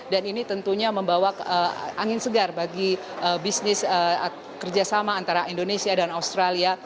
dan ini tentunya membawa angin segar bagi bisnis kerjasama antara indonesia dan australia